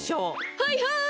はいはい！